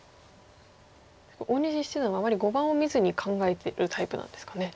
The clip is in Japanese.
大西七段はあまり碁盤を見ずに考えるタイプなんですかね。